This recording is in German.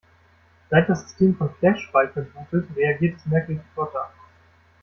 Seit das System von Flashspeicher bootet, reagiert es merklich flotter.